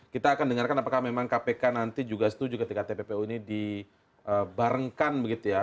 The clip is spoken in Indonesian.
kita akan dengarkan apakah memang kpk nanti juga setuju ketika tppu ini dibarengkan begitu ya